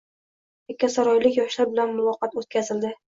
Yakkasaroylik yoshlar bilan muloqot o‘tkazilding